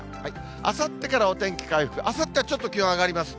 あさってからお天気回復、あさってはちょっと気温上がります。